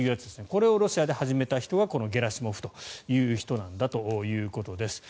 これをロシアで始めた人がゲラシモフという人だということです。